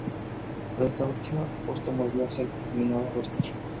Por esta última, Burton volvió a ser nominado al Óscar.